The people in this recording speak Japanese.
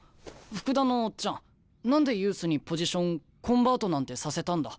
福田のオッチャン何でユースにポジションコンバートなんてさせたんだ？